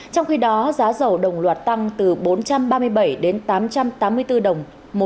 trong khi đó giá dầu đồng loạt tăng từ bốn trăm ba mươi bảy đến tám trăm linh